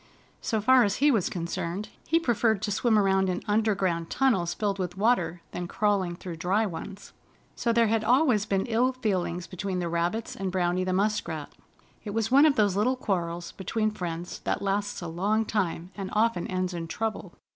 So far as he was concerned, he preferred to swim around in underground tunnels filled with water than crawling through dry ones. So there had always been ill feeling between the rabbits and Browny the Muskrat. It was one of those little quarrels between friends that lasts a long time, and often ends in trouble.